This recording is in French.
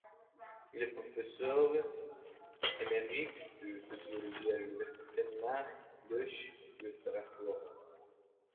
Il est professeur émérite de sociologie à l’Université Marc Bloch de Strasbourg.